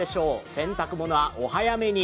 洗濯物はお早めに。